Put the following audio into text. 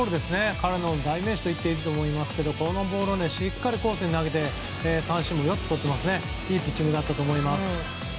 彼の代名詞といっていいと思いますが、このボールをしっかりコースに投げて三振を４つとっていいピッチングだったと思います。